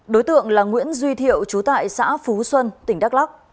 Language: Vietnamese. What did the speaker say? đối tượng là nguyễn duy thiệu trú tại xã phú xuân tỉnh đắk lắc